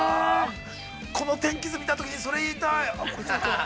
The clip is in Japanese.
◆この天気図見たときに、それ言いたい。